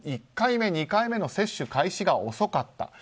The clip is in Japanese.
１回目、２回目の接種開始が遅かった。